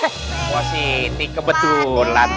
eh wasiti kebetulan